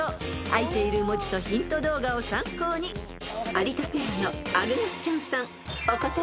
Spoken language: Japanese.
［あいている文字とヒント動画を参考に有田ペアのアグネス・チャンさんお答えください］